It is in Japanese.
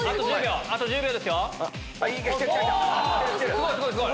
すごいすごいすごい。